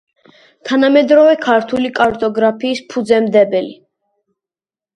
თანამედროვე ქართული კარტოგრაფიის ფუძემდებელი.